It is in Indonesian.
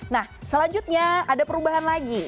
nah selanjutnya ada perubahan lagi